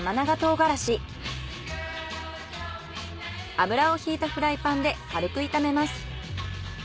油をひいたフライパンで軽く炒めます。